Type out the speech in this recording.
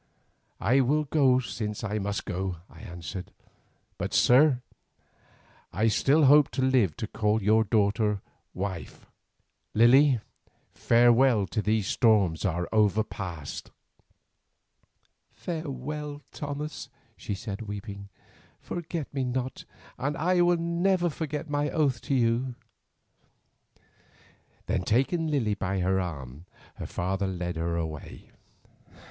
"I will go since I must go," I answered, "but, sir, I still hope to live to call your daughter wife. Lily, farewell till these storms are overpast." "Farewell, Thomas," she said weeping. "Forget me not and I will never forget my oath to you." Then taking Lily by the arm her father led her away.